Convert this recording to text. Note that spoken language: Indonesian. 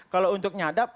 kalau untuk nyadap